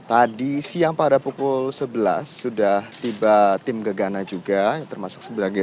tadi siang pada pukul sebelas sudah tiba tim gegana juga termasuk sebagai